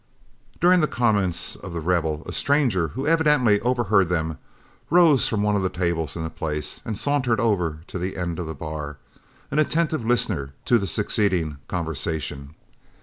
During the comments of The Rebel, a stranger, who evidently overheard them, rose from one of the tables in the place and sauntered over to the end of the bar, an attentive listener to the succeeding conversation.